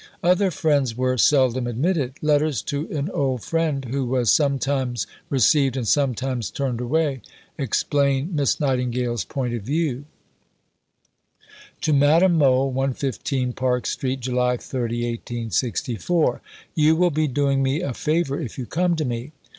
Other friends were seldom admitted. Letters to an old friend, who was sometimes received and sometimes turned away, explain Miss Nightingale's point of view: (To Madame Mohl.) 115 PARK STREET, July 30 . You will be doing me a favour if you come to me.